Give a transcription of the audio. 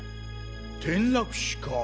転落死か。